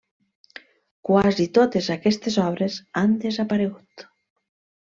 Quasi totes aquestes obres han desaparegut.